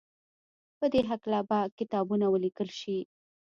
په دې هکله به کتابونه وليکل شي.